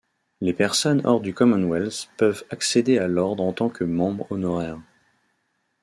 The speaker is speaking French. Les personnes hors du Commonwealth peuvent accéder à l'ordre en tant que membres honoraires.